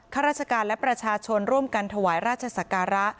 ข้าราชการและประชาชนร่วมกันถวายราชศักระ